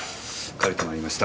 借りてまいりました。